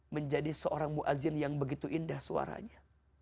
menjadi seorang mu'azzin yang begitu indah suaranya